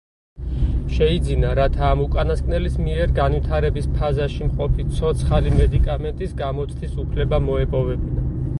შეიძინა, რათა ამ უკანასკნელის მიერ განვითარების ფაზაში მყოფი ცოცხალი მედიკამენტის გამოცდის უფლება მოეპოვებინა.